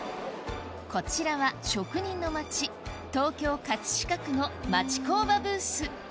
こちらは職人の町東京・葛飾区の町工場ブース